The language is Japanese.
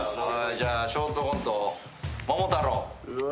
じゃあショートコント桃太郎。